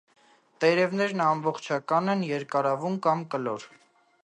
Տերևներն ամբողջական են, երկարավուն կամ կլոր։